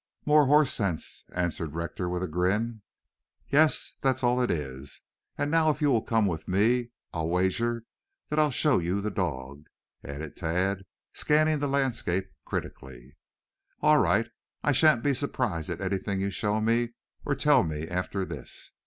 "More horse sense," answered Rector with a grin. "Yes, that's all it is. And now if you will come with me I'll wager that I show you the dog," added Tad, scanning the landscape critically. "All right. I shan't be surprised at anything you show me or tell me after this.